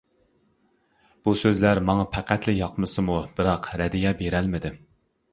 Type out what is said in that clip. بۇ سۆزلەر ماڭا پەقەتلا ياقمىسىمۇ بىراق رەددىيە بېرەلمىدىم.